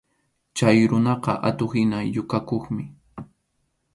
Chay runaqa atuq-hina yukakuqmi.